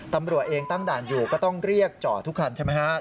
ตำรวจเองตั้งด่านอยู่ก็ต้องเรียกจอดทุกคันใช่ไหมครับ